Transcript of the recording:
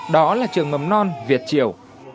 đó là trường mầm non việt triều